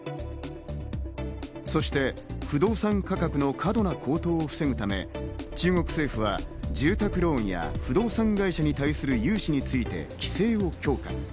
そして不動産価格の過度な高騰を防ぐため、中国政府は住宅ローンや不動産会社に対する融資について規制を強化。